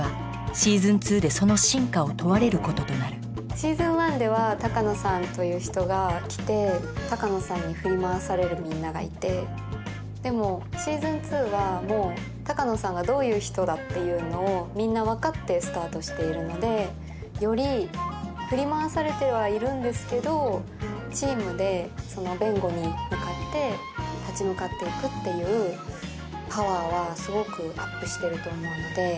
「Ｓｅａｓｏｎ１」では鷹野さんという人が来て鷹野さんに振り回されるみんながいてでも「Ｓｅａｓｏｎ２」はもう鷹野さんがどういう人だっていうのをみんな分かってスタートしているのでより振り回されてはいるんですけどチームでその弁護に向かって立ち向かっていくっていうパワーはすごくアップしてると思うので。